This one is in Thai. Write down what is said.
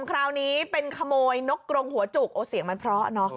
คราวนี้เป็นขโมยนกกรงหัวจุกโอ้เสียงมันเพราะเนอะ